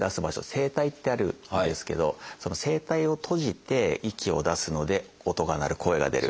声帯ってあるんですけどその声帯を閉じて息を出すので音が鳴る声が出る。